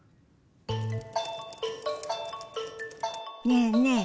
ねえねえ